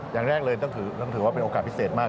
อย่างแรกเลยต้องถือว่าเป็นโอกาสพิเศษมาก